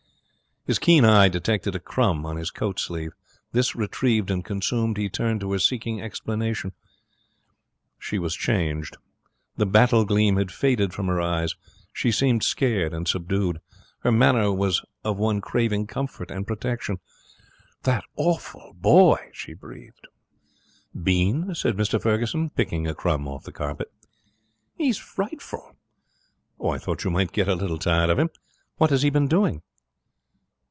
His keen eye detected a crumb on his coat sleeve. This retrieved and consumed, he turned to her, seeking explanation. She was changed. The battle gleam had faded from her eyes. She seemed scared and subdued. Her manner was of one craving comfort and protection. 'That awful boy!' she breathed. 'Bean?' said Mr Ferguson, picking a crumb off the carpet. 'He's frightful.' 'I thought you might get a little tired of him! What has he been doing?'